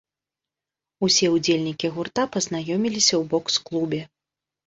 Усе ўдзельнікі гурта пазнаёміліся ў бокс-клубе.